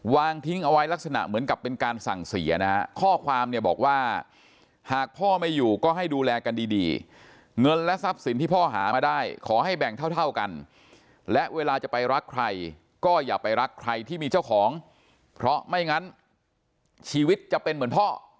วางทิ้งเอาไว้ลักษณะเหมือนกับเป็นการสั่งเสียนะฮะข้อความเนี่ยบอกว่าหากพ่อไม่อยู่ก็ให้ดูแลกันดีดีเงินและทรัพย์สินที่พ่อหามาได้ขอให้แบ่งเท่าเท่ากันและเวลาจะไปรักใครก็อย่าไปรักใครที่มีเจ้าของเพราะไม่งั้นชีวิตจะเป็นเหมือนพ่อ